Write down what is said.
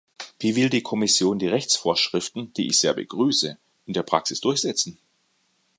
Wie will die Kommission die Rechtsvorschriften, die ich sehr begrüße, in der Praxis durchsetzen?